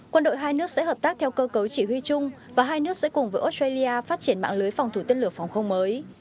quân đội hai nước sẽ hợp tác theo cơ cấu chỉ huy chung và hai nước sẽ cùng với australia phát triển mạng lưới phòng thủ tên lửa phòng không mới